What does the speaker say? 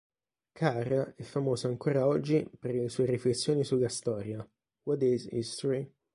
Carr è famoso ancora oggi per le sue riflessioni sulla storia, "What is History?